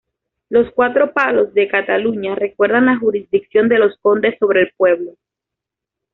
Los cuatro palos de Cataluña recuerdan la jurisdicción de los condes sobre el pueblo.